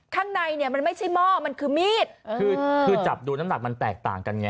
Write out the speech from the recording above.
ข้างในเนี่ยมันไม่ใช่หม้อมันคือมีดคือคือจับดูน้ำหนักมันแตกต่างกันไง